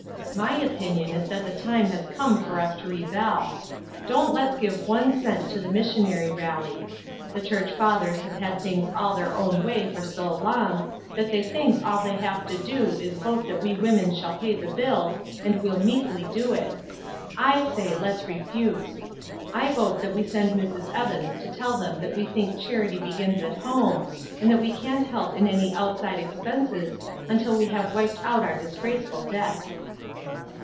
My opinion is that the time has come for us to rebel. Don't let's give one cent to the Missionary Rally. The church fathers have had things all their own way for so long that they think all they have 356 ESTER RIED'S NAMESAKE to do is to vote that we women shall pay the bills, and we'll meekly do it. I say, let's refuse. I vote that we send Mrs. Evans to tell them that we think charity begins at home, and that we can't help in any outside expenses until we have wiped out our disgraceful debt."